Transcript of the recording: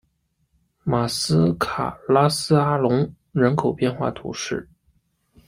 马斯卡拉斯阿龙人口变化图示